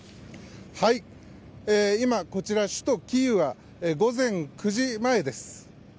今、こちら首都キーウは午前９時前です。